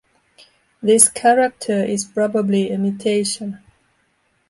This character is probably a mutation.